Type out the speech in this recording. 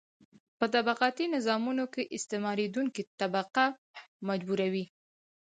په طبقاتي نظامونو کې استثماریدونکې طبقه مجبوره وي.